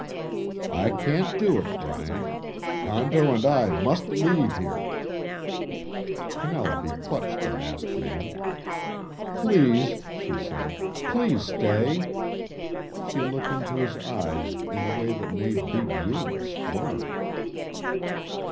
"I can't do it, Bryant. Tonto and I must leave here." Penelope clutched the masked man. "Please," she said. "Please stay." She looked into his eyes in a way that made big Yuma squirm.